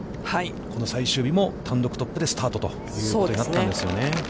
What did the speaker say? この最終日も単独トップでスタートということになったんですよね。